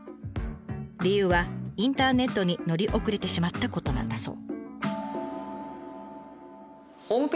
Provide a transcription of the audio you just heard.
理由はインターネットに乗り遅れてしまったことなんだそう。